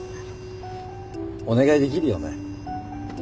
お願いできるよね？